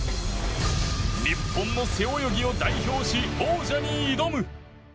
日本の背泳ぎを代表し王者に挑む！